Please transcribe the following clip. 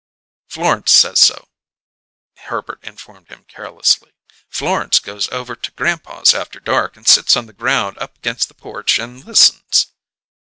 "Florence says so," Herbert informed him carelessly. "Florence goes over to grandpa's after dark and sits on the ground up against the porch and listens."